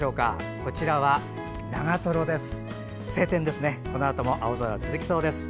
このあとも青空、続きそうです。